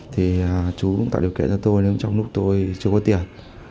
thì chú cũng tạo điều kiện cho tôi nhưng trong lúc tôi chưa có tiền